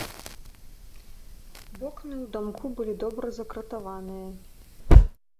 Вокны ў дамку былі добра закратаваныя.